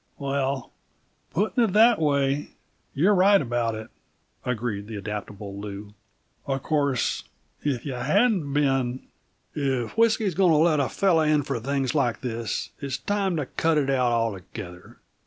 "Well, putting it that way, you're right about it," agreed the adaptable Lew. "Of course, if you hadn't been " "If whisky's going to let a fellow in for things like this, it's time to cut it out altogether."